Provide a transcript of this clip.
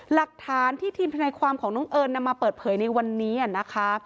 หลักฐานที่ทีมทนายความของน้องเอิญนำมาเปิดเผยในวันนี้นะคะ